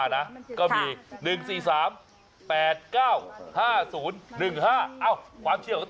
ใช้วิจารณญาณในการรับโชค